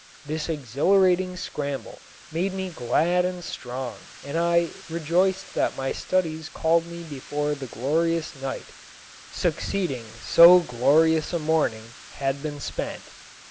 This exhilarating scramble made me glad and strong and I rejoiced that my studies called me before the glorious night succeeding so glorious a morning had been spent!